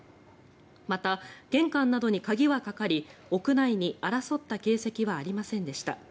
また、玄関などに鍵はかかり屋内に争った形跡はありませんでした。